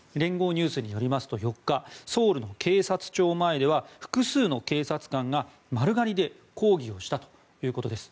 ニュースによりますと４日ソウルの警察庁前では複数の警察官が丸刈りで抗議をしたということです。